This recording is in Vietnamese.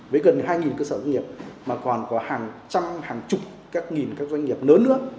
với gần hai cơ sở doanh nghiệp mà còn có hàng trăm hàng chục các nghìn các doanh nghiệp lớn nữa